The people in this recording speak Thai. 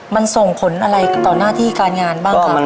มันส่งผลอะไรต่อหน้าที่การงานบ้างครับ